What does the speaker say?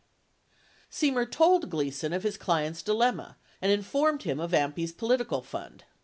Semer told Gleason of his client's dilemma and informed him of AMPI's politi cal fund.